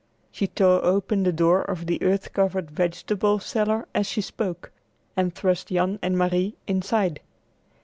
She tore open the door of the earth covered vegetable cellar as she spoke, and thrust Jan and Marie inside.